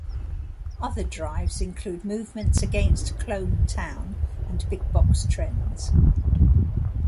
Other drives include movements against Clone town and Big-box trends.